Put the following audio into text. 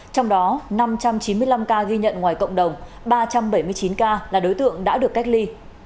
trong đó năm trăm chín mươi năm ca ghi nhận ngoài cộng đồng ba trăm bảy mươi chín ca là đối tượng đã được cách ly